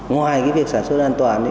ngoài việc sản xuất an toàn